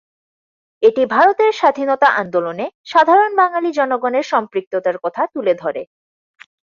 এটি ভারতের স্বাধীনতা আন্দোলনে সাধারণ বাঙালি জনগণের সম্পৃক্ততার কথা তুলে ধরে।